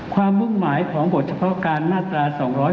มุ่งหมายของบทเฉพาะการมาตรา๒๗